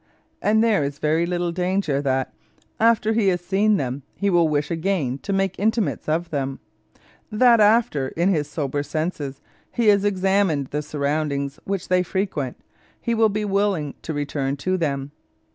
And there is very little danger that, after he has seen them, he will wish again to make intimates of them; that after, in his sober senses, he has examined the surroundings which they frequent, he will be willing to return to them.